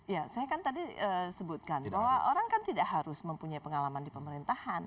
ya saya kan tadi sebutkan bahwa orang kan tidak harus mempunyai pengalaman di pemerintahan